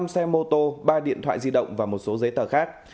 năm xe mô tô ba điện thoại di động và một số dế tăng